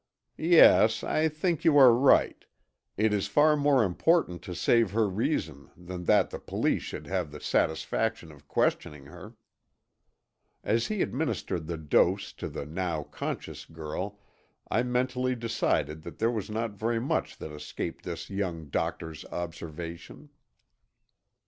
"Yes, I think you are right. It is far more important to save her reason than that the police should have the satisfaction of questioning her." As he administered the dose to the now conscious girl I mentally decided that there was not very much that escaped this young doctor's observation.